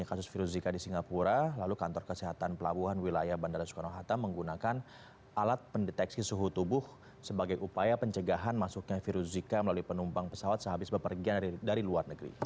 kasus zika di negara ini telah dilakukan oleh penumpang pesawat sehabis bepergian dari luar negeri